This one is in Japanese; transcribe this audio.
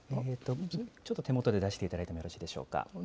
ちょっと手元で出していただいてもよろしいでしょうか。